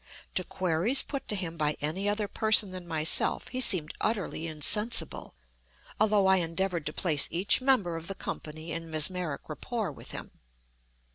To queries put to him by any other person than myself he seemed utterly insensible—although I endeavored to place each member of the company in mesmeric rapport with him.